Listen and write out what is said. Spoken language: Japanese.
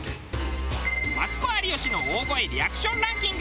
マツコ有吉の大声リアクションランキング